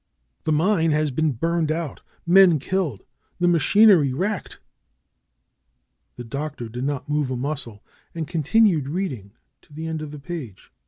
SCHOLAR CRUTCH ^^The mine has been burned out; men killed; the machinery wrecked." The Doctor did not move a muscle and continued reading to the end of the page.